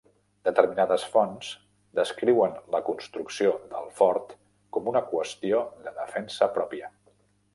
Determinades fonts descriuen la construcció del fort com una qüestió de defensa pròpia.